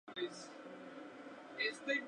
La mejor amiga de la protagonista es "Six".